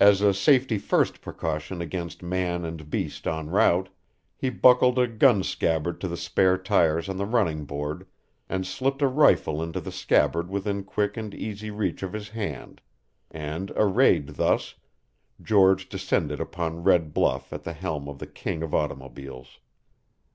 As a safety first precaution against man and beast en route, he buckled a gun scabbard to the spare tires on the running board and slipped a rifle into the scabbard within quick and easy reach of his hand; and arrayed thus, George descended upon Red Bluff at the helm of the king of automobiles.